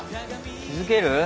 気付ける？